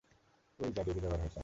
ঐ যা ডেইলি ব্যবহার হয়, স্যার।